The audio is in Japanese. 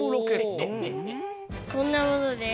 こんなものです。